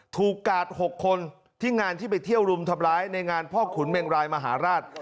กาด๖คนที่งานที่ไปเที่ยวรุมทำร้ายในงานพ่อขุนเมงรายมหาราช